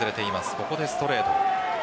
ここでストレート。